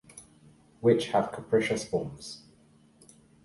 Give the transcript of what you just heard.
Which have capricious forms.